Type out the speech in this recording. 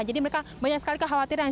jadi mereka banyak sekali kekhawatiran